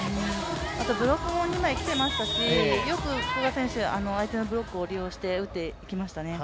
あとブロックも二枚来ていましたし、よく古賀選手、相手のブロックを利用して打ってきましたね。